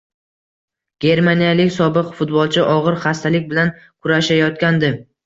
Germaniyalik sobiq futbolchi og‘ir xastalik bilan kurashayotgandi